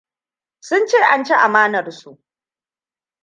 Sun ce an ci amanarsu.